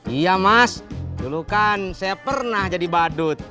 iya mas dulu kan saya pernah jadi badut